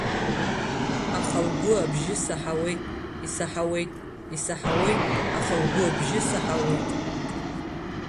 Аха лгәы абжьы саҳауеит, исаҳауеит, исаҳауеит, аха лгәы абжьы саҳауеит.